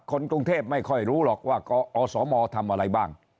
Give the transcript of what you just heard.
คนกรุงเทพไม่ค่อยรู้หรอกว่าอสมทำอะไรบ้าง